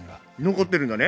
残ってるんだね。